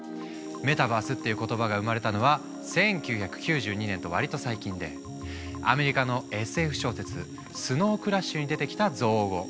メタバースっていう言葉が生まれたのは１９９２年と割と最近でアメリカのＳＦ小説「スノウ・クラッシュ」に出てきた造語。